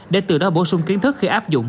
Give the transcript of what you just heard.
để từ đó bổ sung kiến thức khi áp dụng